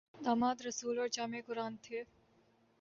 داماد رسول اور جامع قرآن تھے